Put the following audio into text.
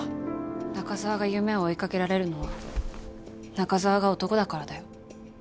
中澤が夢を追いかけられるのは中澤が男だからだよ。